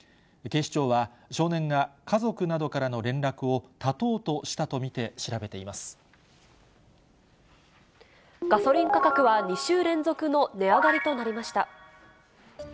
警視庁は少年が家族などからの連絡を絶とうとしたと見て調べていガソリン価格は２週連続の値上がりとなりました。